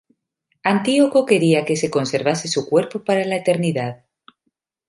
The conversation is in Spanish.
Antíoco quería que se conservase su cuerpo para la eternidad.